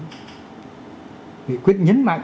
nghị quyết nhấn mạnh